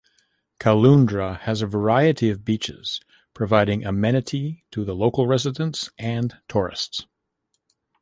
Caloundra has a variety of beaches, providing amenity to the local residents and tourists.